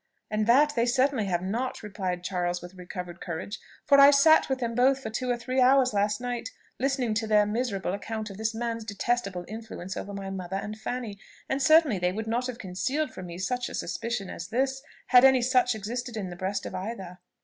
"And that they certainly have not," returned Charles with recovered courage; "for I sat with them both for two or three hours last night, listening to their miserable account of this man's detestable influence over my mother and Fanny; and certainly they would not have concealed from me such a suspicion as this, had any such existed in the breast of either."